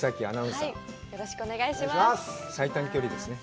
最短距離ですね。